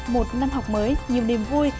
một năm học mới nhiều niềm vui